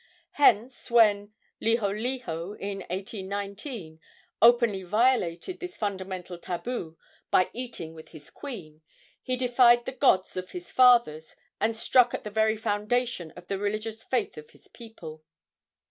Hence, when Liholiho, in 1819, openly violated this fundamental tabu by eating with his queen, he defied the gods of his fathers and struck at the very foundation of the religious faith of his people.